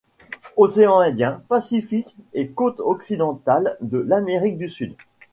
Océan Indien, Pacifique et côte occidentale de l'Amérique du Sud.